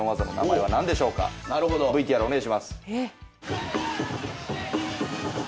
ＶＴＲお願いします。